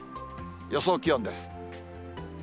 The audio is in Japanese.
予想気温です。